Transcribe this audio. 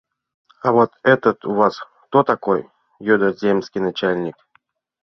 — А вот этот у вас кто такой? — йодо земский начальник.